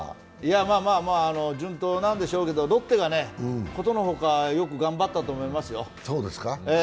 まあまあ、順当なんですけどロッテがことの外よく頑張ったと思いますよ。